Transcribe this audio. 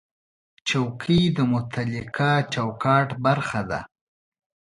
چوکۍ د متعلقه چوکاټ برخه ده.